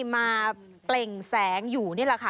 เปล่งแสงอยู่นี่แหละค่ะ